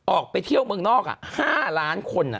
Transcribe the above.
ออกไปเที่ยวเมืองนอก๕ล้านคน